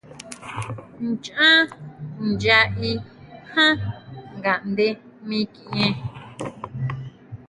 Nchaá nya í jan ngaʼnde mikʼien.